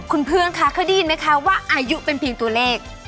คุณเพื่อนคะเคยได้ยินไหมคะว่าอายุเป็นเพียงตัวเลข